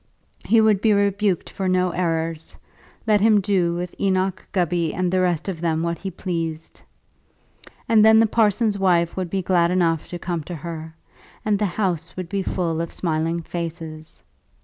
He would be rebuked for no errors, let him do with Enoch Gubby and the rest of them what he pleased! And then the parson's wife would be glad enough to come to her, and the house would be full of smiling faces.